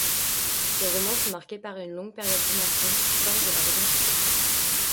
Ses romans sont marqués par une longue période d’immersion qui forge leur identité.